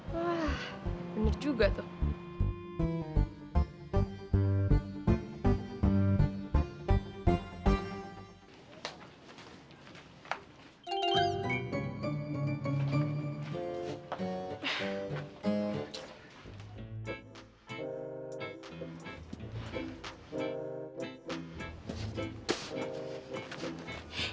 wah bener juga tuh